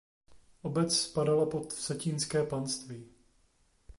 Obec spadala pod vsetínské panství.